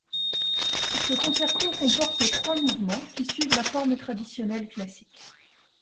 Ce concerto comporte trois mouvements qui suivent la forme traditionnelle classique.